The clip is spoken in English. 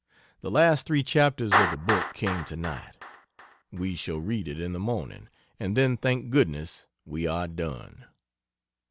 The last 3 chapters of the book came tonight we shall read it in the morning and then thank goodness, we are done.